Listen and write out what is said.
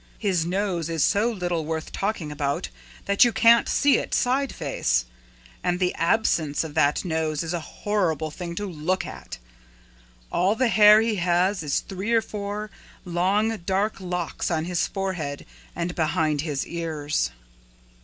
His nose is so little worth talking about that you can't see it side face; and THE ABSENCE of that nose is a horrible thing TO LOOK AT. All the hair he has is three or four long dark locks on his forehead and behind his ears."